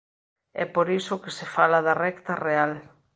É por iso que se fala da recta real.